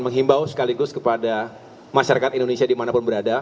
menghimbau sekaligus kepada masyarakat indonesia dimanapun berada